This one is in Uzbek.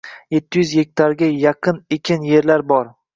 Yetti yuz gektarga yaqin ekin yerlar bor.